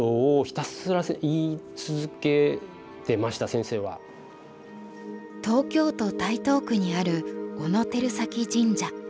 とにかく東京都台東区にある小野照崎神社。